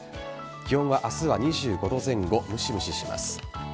気温は明日は２５度前後むしむしします。